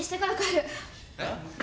えっ？